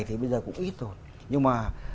thì bây giờ cũng ít rồi nhưng mà